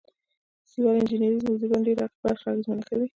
سیول انجنیری زموږ د ژوند ډیره برخه اغیزمنه کوي.